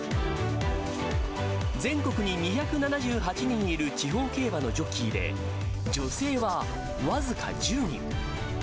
全国に２７８人いる地方競馬のジョッキーで、女性は僅か１０人。